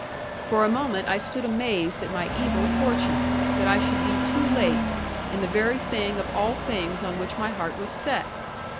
For a moment I stood amazed at my evil fortune; that I should be too late, in the very thing of all things on which my heart was set!